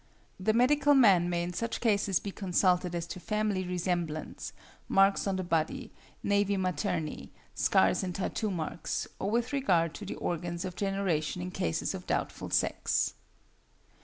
The medical man may in such cases be consulted as to family resemblance, marks on the body, nævi materni, scars and tattoo marks, or with regard to the organs of generation in cases of doubtful sex.